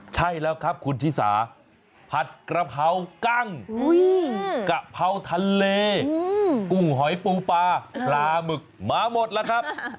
ใช่แล้วครับคุณชิสาผัดกระเพรากั้งกะเพราทะเลกุ้งหอยปูปลาปลาหมึกมาหมดแล้วครับ